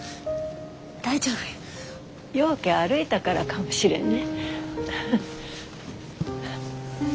ようけ歩いたからかもしれんね。